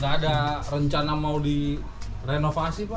ada rencana mau direnovasi pak